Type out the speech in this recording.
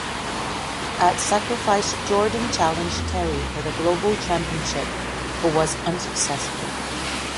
At Sacrifice Jordan challenged Terry for the Global Championship, but was unsuccessful.